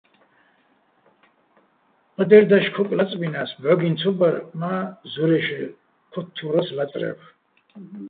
ბადერ დაშ ქოკ ლაწბინა́ს, ბჵოგინო̆ ცო ბარ მა́ ზორა́ჲში̆ ქოთთვო́რასო̆ ლაწრევ.